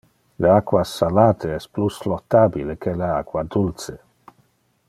Le aqua salate es plus flottabile que le aqua dulce.